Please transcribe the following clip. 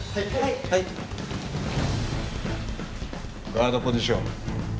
ガードポジション。